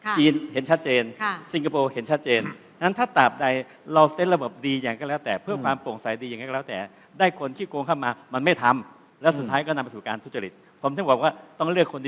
จีนเห็นชัดเจนสิงคโปรเห็นชัดเจน